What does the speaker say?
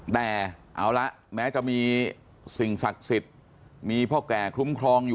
แต่เอาละแม้จะมีสิ่งศักดิ์สิทธิ์มีพ่อแก่คุ้มครองอยู่